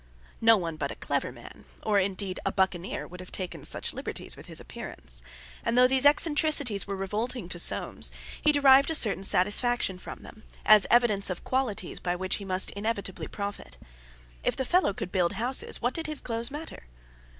No one but a clever man, or, indeed, a buccaneer, would have taken such liberties with his appearance; and though these eccentricities were revolting to Soames, he derived a certain satisfaction from them, as evidence of qualities by which he must inevitably profit. If the fellow could build houses, what did his clothes matter?